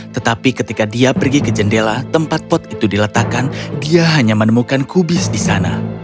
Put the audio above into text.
tetapi ketika dia pergi ke jendela tempat pot itu diletakkan dia hanya menemukan kubis di sana